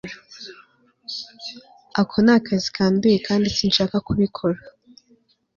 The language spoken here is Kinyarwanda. ako ni akazi kanduye kandi sinshaka kubikora